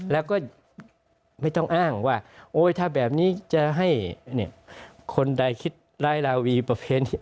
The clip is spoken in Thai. แล้วก็ไม่ต้องอ้างว่าโอ๊ยถ้าแบบนี้จะให้คนใดคิดร้ายลาวีประเพณี